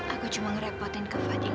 aku cuma ngerepotin kak fadil aja